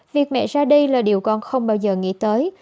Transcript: việc mẹ ra đây là điều con không bao giờ nghĩ tới